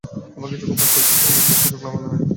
আবার কিছুক্ষণ পরই চোখ অনেক বেশি শুকনা মনে হয়।